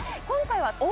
今回は。